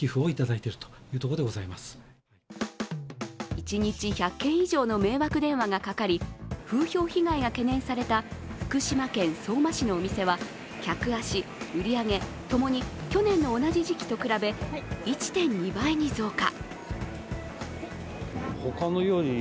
１日１００件以上の迷惑電話がかかり風評被害が懸念された福島県相馬市のお店は、客足、売り上げともに去年の同じ時期と比べ１．２倍に増加。